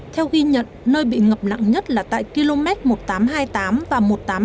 theo ghi nhận nơi bị ngập nặng nhất là tại km một nghìn tám trăm hai mươi tám và một nghìn tám trăm hai mươi chín